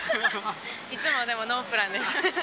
いつもでもノープランです。